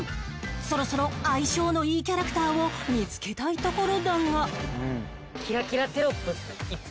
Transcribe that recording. そろそろ相性のいいキャラクターを見つけたいところだが